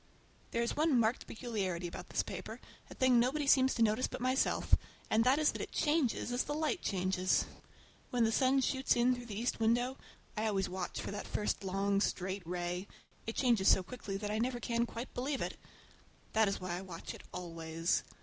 There is one marked peculiarity about this paper, a thing nobody seems to notice but myself, and that is that it changes as the light changes. When the sun shoots in through the east window—I always watch for that first long, straight ray—it changes so quickly that I never can quite believe it. That is why I watch it always.